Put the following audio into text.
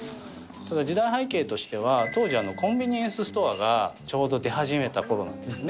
ただ時代背景としては、当時コンビニエンスストアがちょうど出始めたころなんですね。